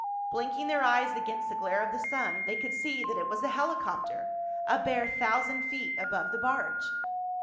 Blinking their eyes against the glare of the sun, they could see that it was a helicopter—a bare thousand feet above the barge.